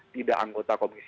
tidak anggota komisi dua